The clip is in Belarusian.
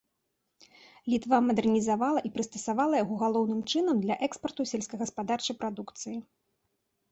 Літва мадэрнізавала і прыстасавала яго галоўным чынам для экспарту сельскагаспадарчай прадукцыі.